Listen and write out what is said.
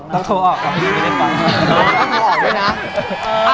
ต้องโทรออกด้วยนะ